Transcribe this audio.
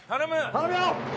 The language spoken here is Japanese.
頼むよ！